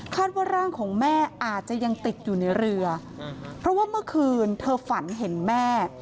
ว่าร่างของแม่อาจจะยังติดอยู่ในเรือเพราะว่าเมื่อคืนเธอฝันเห็นแม่